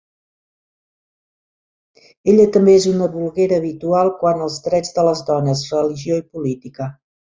Ella també és una bloguera habitual quant als drets de les dones, religió i política.